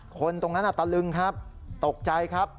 คนตรงนั้นตะลึงครับตกใจครับ